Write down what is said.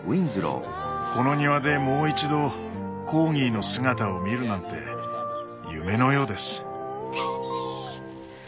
この庭でもう一度コーギーの姿を見るなんて夢のようです。